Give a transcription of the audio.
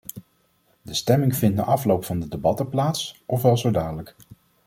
De stemming vindt na afloop van de debatten plaats, oftewel zo dadelijk.